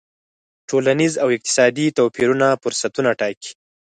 ټولنیز او اقتصادي توپیرونه فرصتونه ټاکي.